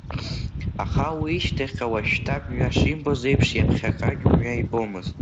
Аха уи ишьҭахьҟа уажәшьҭа мҩа шимбоз еиԥш, иаԥхьаҟагь мҩа ибомызт…